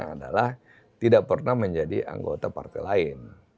adalah tidak pernah menjadi anggota partai lain